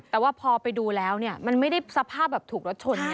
แต่ว่าพอไปดูแล้วมันไม่ได้สภาพถูกรถชน